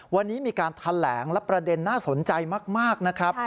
วันนี้มีการแถลงและประเด็นน่าสนใจมากนะครับ